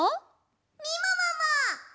みももも。